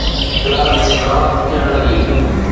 Clerk راحت ٿيڻ لڳي.